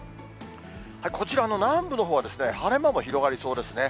こちらの南部のほうは晴れ間も広がりそうですね。